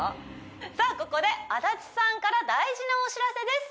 さあここで足立さんから大事なお知らせです